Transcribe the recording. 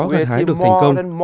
hạt hái được thành công